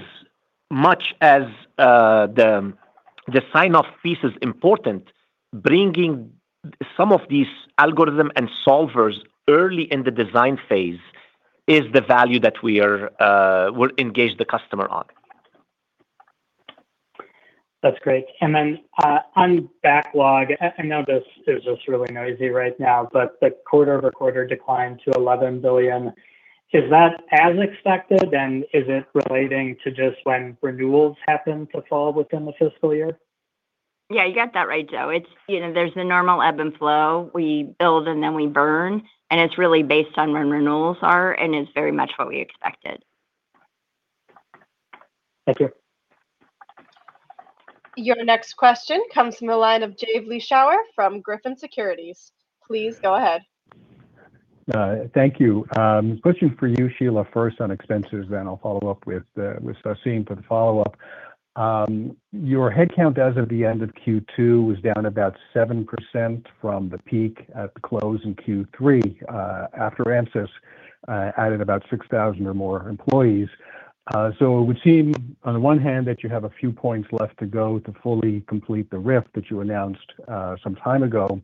much as the sign-off piece is important, bringing some of these algorithm and solvers early in the design phase is the value that we'll engage the customer on. That's great. On backlog, I know this is just really noisy right now, but the quarter-over-quarter decline to $11 billion, is that as expected, and is it relating to just when renewals happen to fall within the fiscal year? Yeah, you got that right, Joe. There's the normal ebb and flow. We build and then we burn, and it's really based on when renewals are, and it's very much what we expected. Thank you. Your next question comes from the line of Jay Vleeschhouwer from Griffin Securities. Please go ahead. Thank you. Question for you, Shelagh, first on expenses, I'll follow up with Sassine for the follow-up. Your headcount as of the end of Q2 was down about 7% from the peak at the close in Q3, after Ansys added about 6,000 or more employees. It would seem on the one hand that you have a few points left to go to fully complete the RIF that you announced some time ago.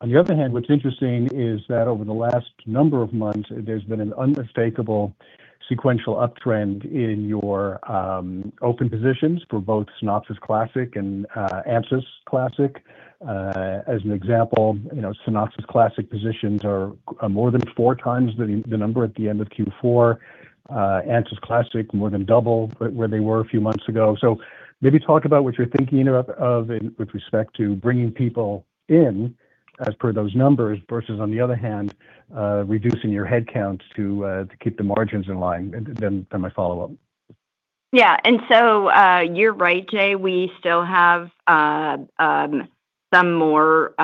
On the other hand, what's interesting is that over the last number of months, there's been an unmistakable sequential uptrend in your open positions for both Synopsys Classic and Ansys Classic. As an example, Synopsys Classic positions are more than four times the number at the end of Q4. Ansys Classic more than double where they were a few months ago. Maybe talk about what you're thinking of with respect to bringing people in as per those numbers, versus on the other hand, reducing your head count to keep the margins in line. My follow-up. Yeah. You're right, Jay. We still have some more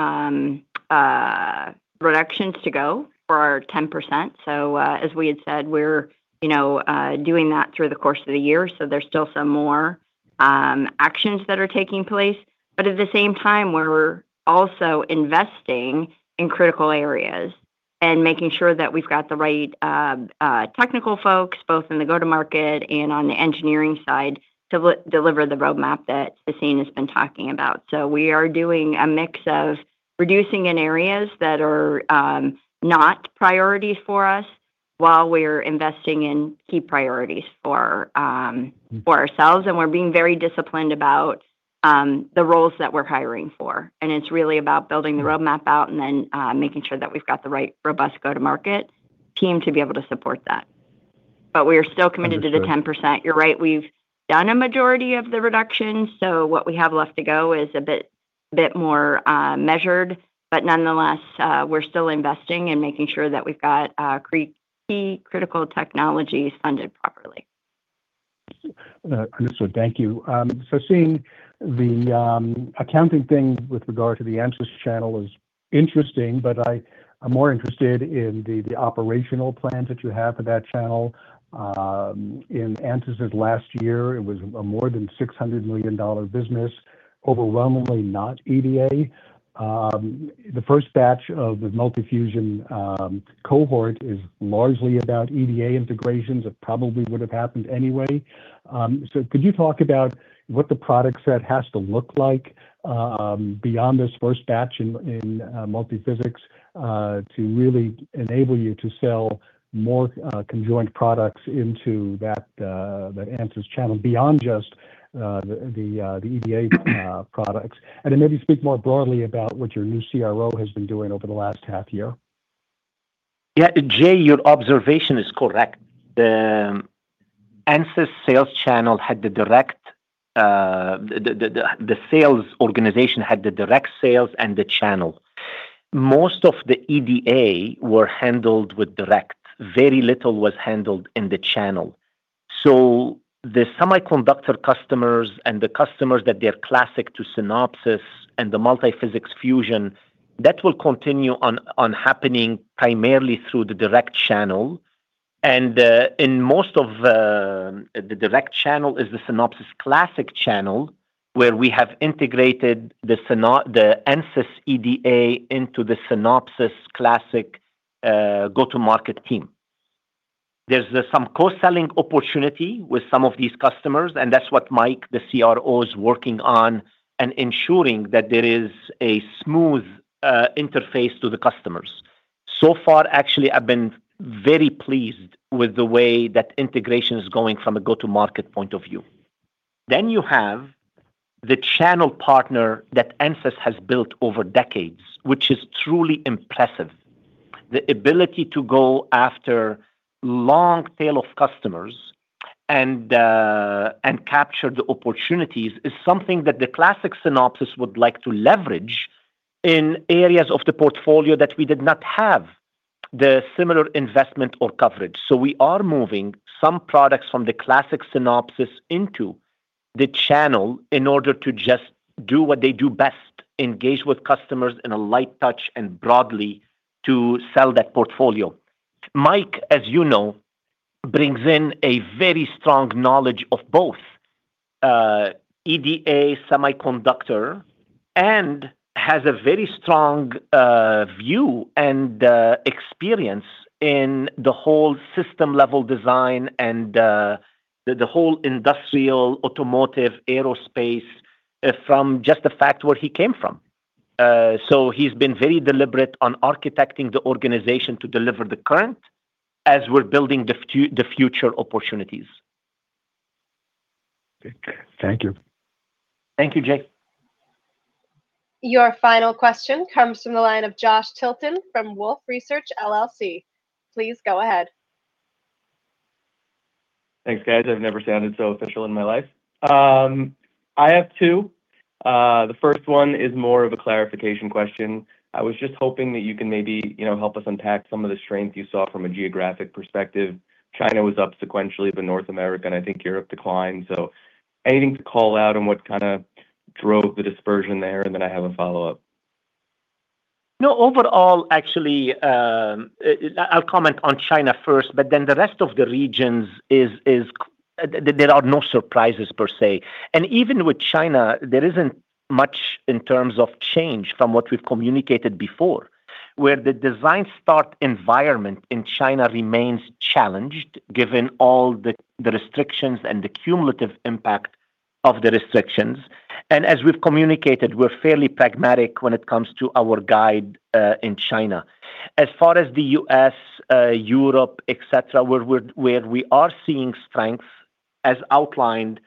reductions to go for our 10%. As we had said, we're doing that through the course of the year, so there's still some more actions that are taking place. At the same time, we're also investing in critical areas and making sure that we've got the right technical folks, both in the go-to-market and on the engineering side, to deliver the roadmap that Sassine has been talking about. We are doing a mix of reducing in areas that are not priorities for us while we're investing in key priorities for ourselves, and we're being very disciplined about the roles that we're hiring for. It's really about building the roadmap out and then making sure that we've got the right robust go-to-market team to be able to support that. We are still committed- Understood. to the 10%. You're right. We've done a majority of the reductions, what we have left to go is a bit more measured. Nonetheless, we're still investing and making sure that we've got key critical technologies funded properly. Understood. Thank you. Sassine, the accounting thing with regard to the Ansys channel is interesting, but I am more interested in the operational plans that you have for that channel. In Ansys's last year, it was a more than $600 million business, overwhelmingly not EDA. The first batch of the Multi Fusion cohort is largely about EDA integrations. It probably would have happened anyway. Could you talk about what the product set has to look like beyond this first batch in Multiphysics to really enable you to sell more conjoined products into that Ansys channel beyond just the EDA products? Maybe speak more broadly about what your new CRO has been doing over the last half year. Yeah. Jay, your observation is correct. The sales organization had the direct sales and the channel. Most of the EDA were handled with direct. Very little was handled in the channel. The semiconductor customers and the customers that they're classic to Synopsys and the Multiphysics Fusion, that will continue on happening primarily through the direct channel. In most of the direct channel is the Synopsys Classic channel, where we have integrated the Ansys EDA into the Synopsys Classic go-to-market team. There's some cross-selling opportunity with some of these customers, and that's what Mike, the CRO, is working on, and ensuring that there is a smooth interface to the customers. So far, actually, I've been very pleased with the way that integration is going from a go-to-market point of view. Then you have the channel partner that Ansys has built over decades, which is truly impressive. The ability to go after long tail of customers and capture the opportunities is something that the Classic Synopsys would like to leverage in areas of the portfolio that we did not have the similar investment or coverage. We are moving some products from the Classic Synopsys into the channel in order to just do what they do best, engage with customers in a light touch and broadly to sell that portfolio. Mike, as you know, brings in a very strong knowledge of both EDA semiconductor and has a very strong view and experience in the whole system-level design and the whole industrial, automotive, aerospace from just the fact where he came from. He's been very deliberate on architecting the organization to deliver the current as we're building the future opportunities. Okay. Thank you. Thank you, Jay. Your final question comes from the line of Josh Tilton from Wolfe Research, LLC. Please go ahead. Thanks, guys. I've never sounded so official in my life. I have two. The first one is more of a clarification question. I was just hoping that you can maybe help us unpack some of the strength you saw from a geographic perspective. China was up sequentially, but North America and I think Europe declined. Anything to call out on what kind of drove the dispersion there? I have a follow-up. No, overall, actually, I'll comment on China first, but then the rest of the regions, there are no surprises per se. Even with China, there isn't much in terms of change from what we've communicated before, where the design start environment in China remains challenged given all the restrictions and the cumulative impact of the restrictions. As we've communicated, we're fairly pragmatic when it comes to our guide in China. As far as the U.S., Europe, et cetera, where we are seeing strength as outlined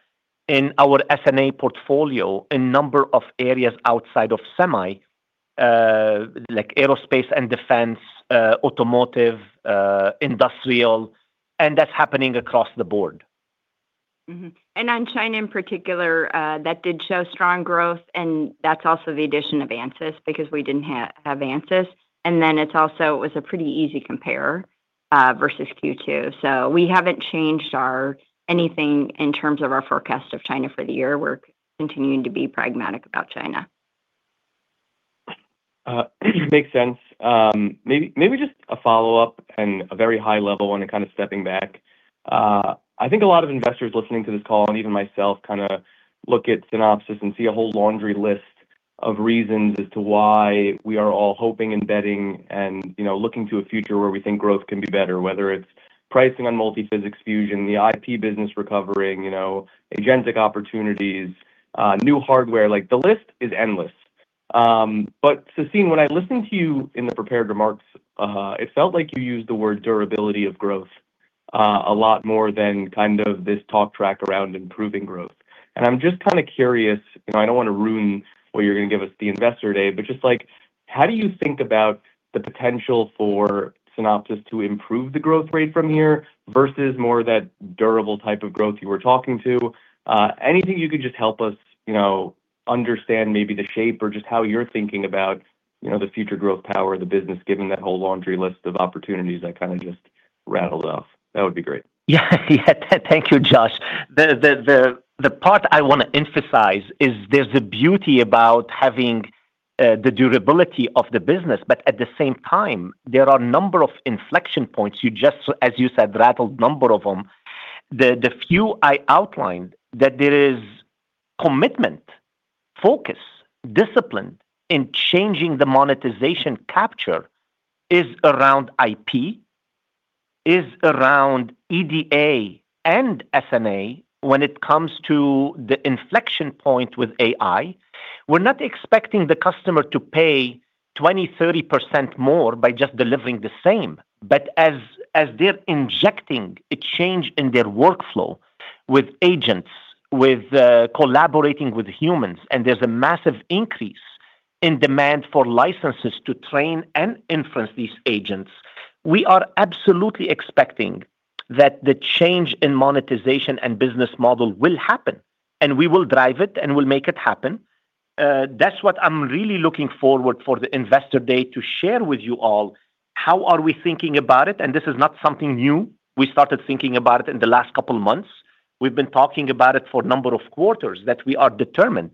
in our S&A portfolio in number of areas outside of semi, like aerospace and defense, automotive, industrial, and that's happening across the board. Mm-hmm. On China in particular, that did show strong growth, and that's also the addition of Ansys, because we didn't have Ansys. It was a pretty easy compare versus Q2. We haven't changed anything in terms of our forecast of China for the year. We're continuing to be pragmatic about China. Makes sense. Maybe just a follow-up and a very high level one and kind of stepping back. I think a lot of investors listening to this call, and even myself, kind of look at Synopsys and see a whole laundry list of reasons as to why we are all hoping and betting and looking to a future where we think growth can be better, whether it's pricing on Multiphysics Fusion, the IP business recovering, agentic opportunities, new hardware. The list is endless. Sassine, when I listened to you in the prepared remarks, it felt like you used the word durability of growth, a lot more than kind of this talk track around improving growth. I'm just kind of curious, I don't want to ruin what you're going to give us at the Investor Day, but just how do you think about the potential for Synopsys to improve the growth rate from here versus more that durable type of growth you were talking to? Anything you could just help us understand maybe the shape or just how you're thinking about the future growth power of the business, given that whole laundry list of opportunities I kind of just rattled off. That would be great. Yeah. Thank you, Josh. The part I want to emphasize is there's a beauty about having the durability of the business, but at the same time, there are a number of inflection points, you just, as you said, rattled a number of them. The few I outlined that there is commitment, focus, discipline in changing the monetization capture is around IP, is around EDA and S&A when it comes to the inflection point with AI. We're not expecting the customer to pay 20%, 30% more by just delivering the same. As they're injecting a change in their workflow with agents, with collaborating with humans, and there's a massive increase in demand for licenses to train and influence these agents, we are absolutely expecting that the change in monetization and business model will happen, and we will drive it and we'll make it happen. That's what I'm really looking forward for the Investor Day to share with you all how are we thinking about it, and this is not something new. We started thinking about it in the last couple of months. We've been talking about it for a number of quarters, that we are determined.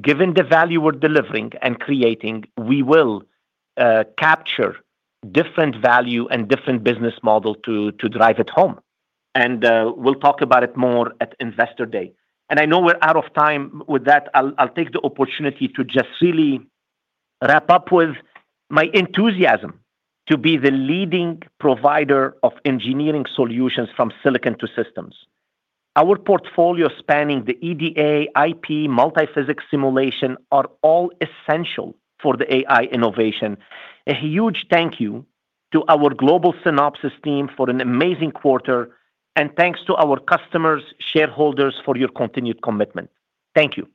Given the value we're delivering and creating, we will capture different value and different business model to drive it home. We'll talk about it more at Investor Day. I know we're out of time. With that, I'll take the opportunity to just really wrap up with my enthusiasm to be the leading provider of engineering solutions from silicon to systems. Our portfolio spanning the EDA, IP, multiphysics simulation are all essential for the AI innovation. A huge thank you to our global Synopsys team for an amazing quarter, and thanks to our customers, shareholders for your continued commitment. Thank you.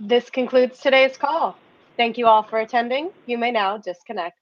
This concludes today's call. Thank you all for attending. You may now disconnect.